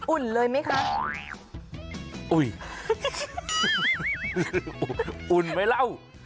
อุ่นเลยมั้ยค่ะอุ่นไหมเล่า